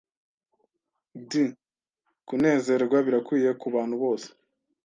d Kunezerwa birakwiye ku bantu bose